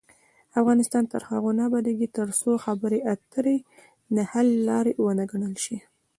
افغانستان تر هغو نه ابادیږي، ترڅو خبرې اترې د حل لار وګڼل شي.